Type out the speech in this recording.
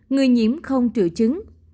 người nhiễm không triệu chứng